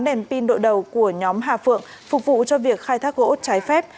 tám đèn pin đội đầu của nhóm hà phượng phục vụ cho việc khai thác gỗ trái phép